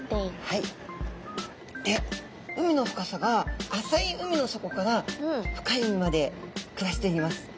で海の深さが浅い海の底から深い海まで暮らしています。